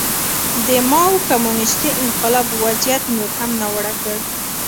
د ماوو کمونېستي انقلاب وضعیت نور هم ناوړه کړ.